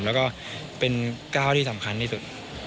แล้วก็เป็นก้าวที่สำคัญที่สุด